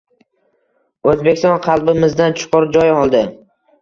O‘zbekiston qalbimizdan chuqur joy oldi